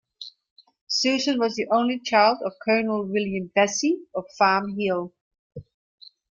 Susan was the only child of Colonel William Vesey of Farm Hill.